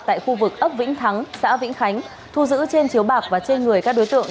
tại khu vực ấp vĩnh thắng xã vĩnh khánh thu giữ trên chiếu bạc và trên người các đối tượng